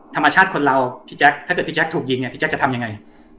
ธรรมชาติคนเราพี่แจ๊คถ้าเกิดพี่แจ๊คถูกยิงเนี่ยพี่แจ๊จะทำยังไง